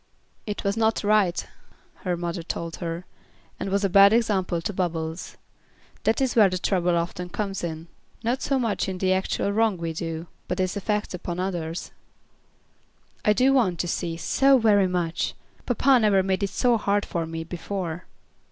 "It was not right," her mother told her, "and was a bad example to Bubbles. That is where the trouble often comes in. Not so much in the actual wrong we do, but its effect upon others." "I do want to see, so very much. Papa never made it so hard for me before."